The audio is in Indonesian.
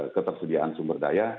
ketersediaan sumber daya